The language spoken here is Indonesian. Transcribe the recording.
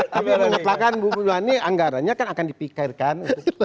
tapi mengatakan bu sri mulyani anggarannya kan akan dipikirkan